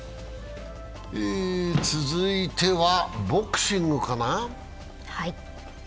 続いてはボクシングかな。